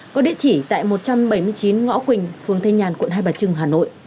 có địa chỉ tại một trăm bảy mươi chín ngõ quỳnh phường thanh nhàn quận hai bà trưng hà nội